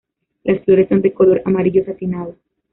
Las flores son de color amarillo satinado.